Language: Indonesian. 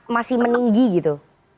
masih meninggi gitu